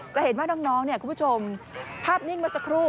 จะเห็นว่าน้องคุณผู้ชมพาบนิ่งมาสักครู่